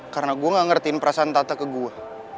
karena gue gak ngertiin perasaan tata ke gue